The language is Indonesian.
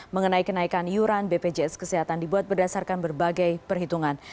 mengenai kenaikan iuran bpjs kesehatan dibuat berdasarkan berbagai perhitungan